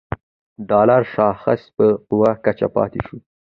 د ډالر شاخص په قوي کچه پاتې شو